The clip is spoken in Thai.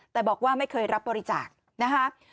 แต่บอกว่าไม่เคยรับบริจาคนะคะ